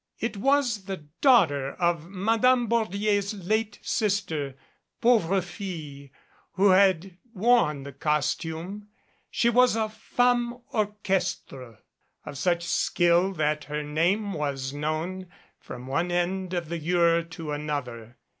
It was the daughter of Madame Bordier's late sister pauvre file who had worn the costume. She was a Femme Orchestre of such skill that her name was known from one end of the Eure to another.